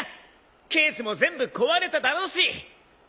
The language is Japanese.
ケースも全部壊れただろうしミッションは。